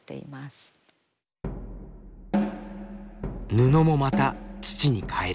布もまた土に返る。